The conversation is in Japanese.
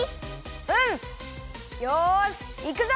よしいくぞ！